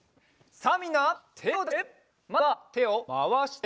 さあみんなてをだして。